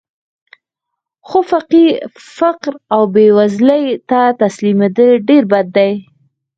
خو فقر او بېوزلۍ ته تسلیمېدل ډېر بد دي